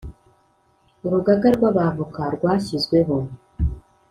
Urugaga rw Abavoka rwa shyizweho